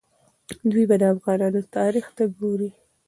دوی به د افغانانو تاریخ ته ګوري.